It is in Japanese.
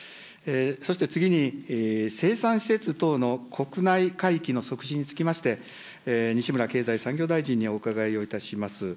そして次に、生産施設等の国内回帰の促進につきまして、西村経済産業大臣にお伺いをいたします。